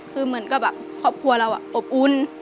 คือเหมือนกับแบบครอบครัวเราอบอุ่น